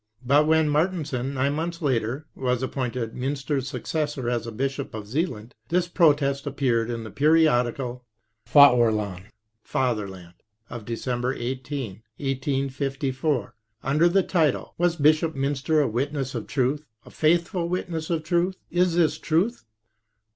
But when Martensen, nine months later, was appointed Mynster's successor as bishop of Zealand this protest appeared in the periodical FcBdrelandet of Dec. 18, 1854, under the title " Was Bishop Mynster a Witness of Truth, a Faithful Witness of Truth— Is this Truth?